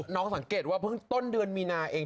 สังเกตว่าเพิ่งต้นเดือนมีนาเอง